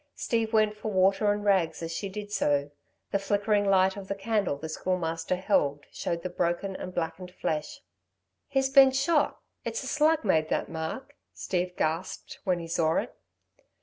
Steve went for water and rags as she did so. The flickering light of the candle the Schoolmaster held, showed the broken and blackened flesh. "He's been shot ... it's a slug made that mark," Steve gasped when he saw it.